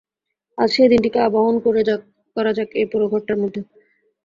আজ সেই দিনটিকে আবাহন করা যাক এই পোড়ো ঘরটার মধ্যে।